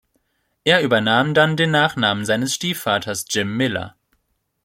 Er übernahm dann den Nachnamen seines Stiefvaters Jim Miller.